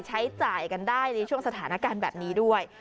ใช้จ่ายกันได้ในช่วงสถานการณ์แบบนี้ด้วย